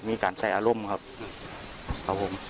ส่วนของชีวาหาย